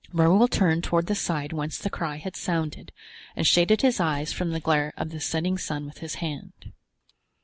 Raoul turned toward the side whence the cry had sounded, and shaded his eyes from the glare of the setting sun with his hand.